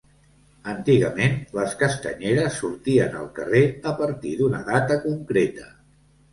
Antigament les castanyeres sortien al carrer a partir d’una data concreta.